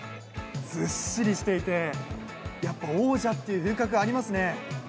ずっしりしていて、やっぱ王者っていう風格、ありますね。